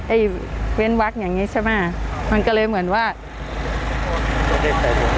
ไอ้เว้นวักอย่างงี้ใช่มะมันก็เลยเหมือนว่าไม่ได้ใส่วงเล็บ